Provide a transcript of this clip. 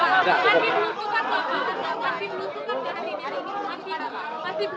masih berusukan hari ini pak